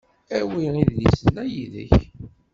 Awi idlisen-a yid-k.